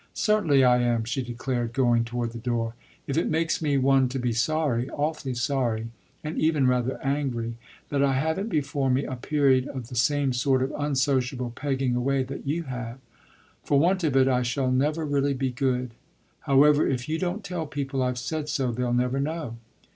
"Certainly I am," she declared, going toward the door "if it makes me one to be sorry, awfully sorry and even rather angry, that I haven't before me a period of the same sort of unsociable pegging away that you have. For want of it I shall never really be good. However, if you don't tell people I've said so they'll never know.